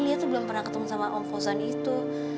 liat tuh belum pernah ketemu sama om fawzi itu